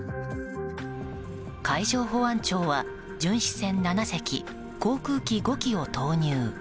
海上保安庁は、巡視船７隻航空機５機を投入。